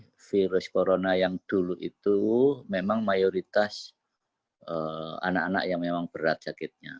karena virus corona yang dulu itu memang mayoritas anak anak yang memang berat sakitnya